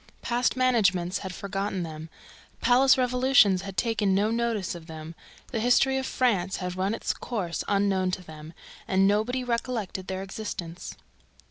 Past managements had forgotten them; palace revolutions had taken no notice of them; the history of France had run its course unknown to them; and nobody recollected their existence.